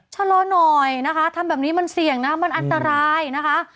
ชะลอหน่อยนะคะทำแบบนี้มันเสี่ยงนะมันอันตรายนะคะ